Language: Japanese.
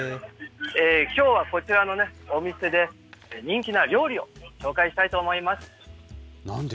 きょうはこちらのお店で、人気な料理を紹介したいと思います。